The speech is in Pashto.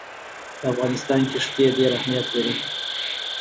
په افغانستان کې ښتې ډېر اهمیت لري.